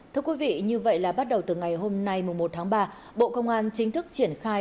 thưa quý vị như vậy là bắt đầu từ ngày hôm nay một tháng ba bộ công an chính thức triển khai